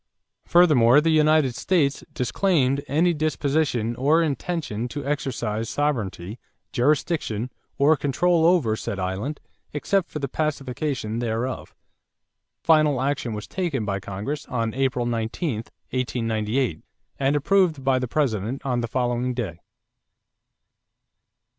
Furthermore the United States disclaimed "any disposition or intention to exercise sovereignty, jurisdiction, or control over said island except for the pacification thereof." Final action was taken by Congress on April 19, 1898, and approved by the President on the following day.